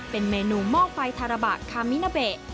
เป็นเมนูหม้อไฟทาราบะคามินาเบะ